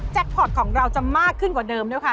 พอร์ตของเราจะมากขึ้นกว่าเดิมด้วยค่ะ